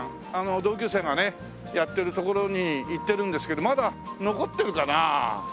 同級生がねやってるところに行ってるんですけどまだ残ってるかな？